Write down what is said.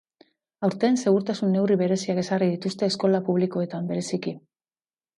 Aurten, segurtasun neurri bereziak ezarri dituzte, eskola pubilkoetan bereziki.